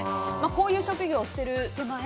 こういう職業をしている手前